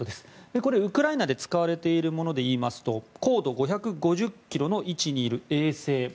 これ、ウクライナで使われているもので言いますと高度５５０ｋｍの位置にいる衛星。